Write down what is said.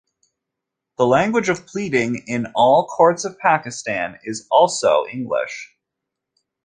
The language of pleading in all courts of Pakistan is also English.